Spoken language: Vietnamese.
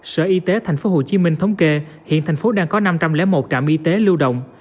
sở y tế tp hcm thống kê hiện thành phố đang có năm trăm linh một trạm y tế lưu động